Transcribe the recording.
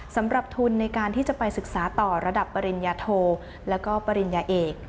สำหรับทุนในการที่จะไปศึกษาต่อระดับปริญญาโทแล้วก็ปริญญาเอก